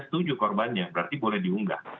setuju korbannya berarti boleh diunggah